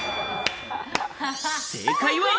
正解は。